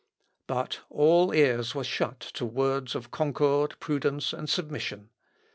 " But all ears were shut to words of concord, prudence, and submission.